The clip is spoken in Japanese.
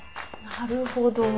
なるほど。